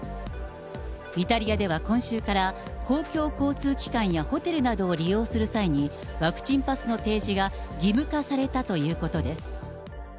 イタリアでは今週から、公共交通機関やホテルなどを利用する際に、ワクチンパスの提示が義務化されたということです。